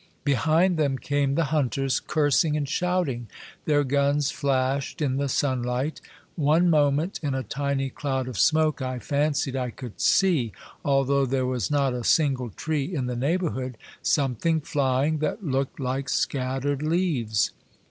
Behind them came the hunters, cursing and shouting. Their guns flashed in the sunlight. One moment, in a tiny cloud of smoke, I fancied I could see, although there was not a single tree in the neighborhood, something flying that looked like scattered leaves.